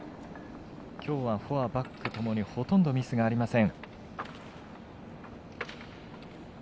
きょうはフォアバックともにほとんどミスがありません。